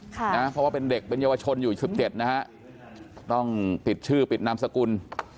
เพราะว่าเป็นเด็กเป็นเยาวชนอยู่๑๗นะฮะต้องติดชื่อปิดนามสกุล